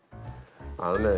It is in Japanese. あのね